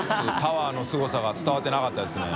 織錙爾すごさが伝わってなかったですね。